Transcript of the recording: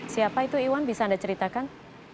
siapa itu iwan bisa anda ceritakan